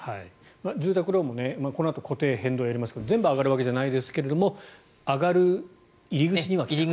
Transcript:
住宅ローンもこのあと固定、変動やりますが全部上がるわけじゃないですが上がる入り口には来ていると。